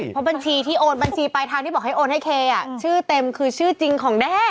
เพราะบัญชีที่โอนบัญชีปลายทางที่บอกให้โอนให้เคชื่อเต็มคือชื่อจริงของแด้